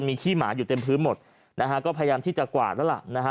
มีขี้หมาอยู่เต็มพื้นหมดนะฮะก็พยายามที่จะกวาดแล้วล่ะนะฮะ